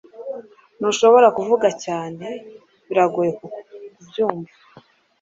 Ntushobora kuvuga cyane? Biragoye kubyumva